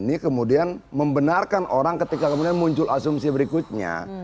ini kemudian membenarkan orang ketika kemudian muncul asumsi berikutnya